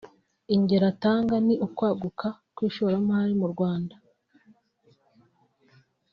Ingero atanga ni ukwaguka kw’ishoramari mu Rwanda